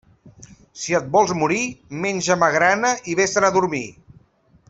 Si et vols morir, menja magrana i vés-te'n a dormir.